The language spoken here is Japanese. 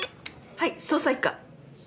はい捜査一課。